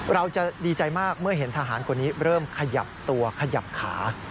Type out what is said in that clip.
เราจะดีใจมากเมื่อเห็นทหารคนนี้เริ่มขยับตัวขยับขา